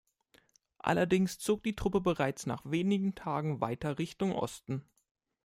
Allerdings zog die Truppe bereits nach wenigen Tagen weiter Richtung Osten.